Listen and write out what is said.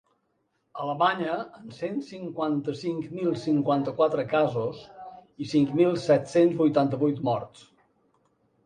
Alemanya, amb cent cinquanta-cinc mil cinquanta-quatre casos i cinc mil set-cents vuitanta-vuit morts.